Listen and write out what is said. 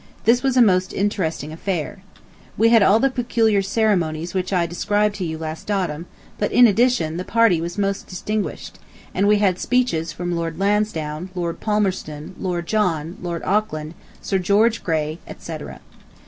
This was a most interesting affair. We had all the peculiar ceremonies which I described to you last autumn, but in addition the party was most distinguished, and we had speeches from Lord Lansdowne, Lord Palmerston, Lord John, Lord Auckland, Sir George Grey, etc. _To W.